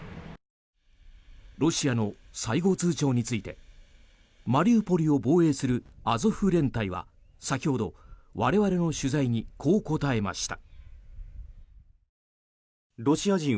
ロシアの最後通ちょうについてマリウポリを防衛するアゾフ連隊は先ほど我々の取材にこう答えました。